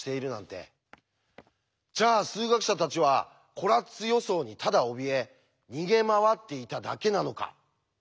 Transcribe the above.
じゃあ数学者たちはコラッツ予想にただおびえ逃げ回っていただけなのか。